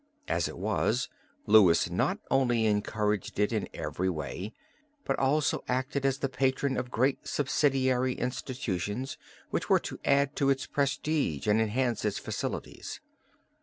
As it was, Louis not only encouraged it in every way, but also acted as the patron of great subsidiary institutions which were to add to its prestige and enhance its facilities.